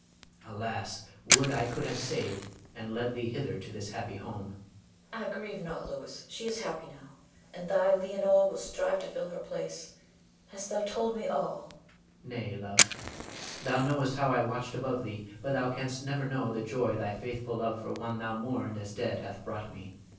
alas! would I could have saved, and led thee hither to this happy home. Leonore. Ah, grieve not, Louis; she is happy now, and thy Leonore will strive to fill her place. Hast thou told me all? Louis. Nay, love. Thou knowest how I watched above thee, but thou canst never know the joy thy faithful love for one thou mourned as dead hath brought me.